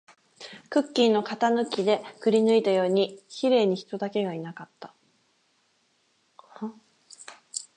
クッキーの型抜きでくりぬいたように、綺麗に人だけがいなかった